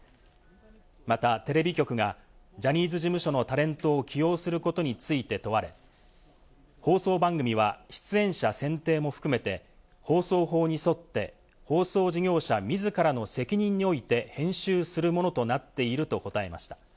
また、テレビ局がジャニーズ事務所のタレントを起用することについて問われ、放送番組は出演者選定も含めて、放送法に沿って、放送事業者自らの責任において編集するものとなっていると答えました。